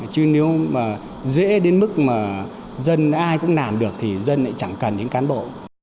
chứ nếu mà dễ đến mức mà dân ai cũng làm được thì dân lại chẳng cần những cán bộ